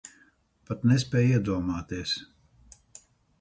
Pat nespēj iedomāties.